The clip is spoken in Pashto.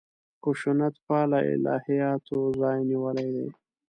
خشونت پاله الهیاتو ځای نیولی دی.